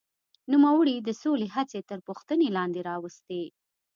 نوموړي د سولې هڅې تر پوښتنې لاندې راوستې.